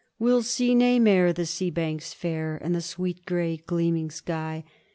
"We'll see nae mair the sea banks fair, And the sweet, gray, gleaming sky.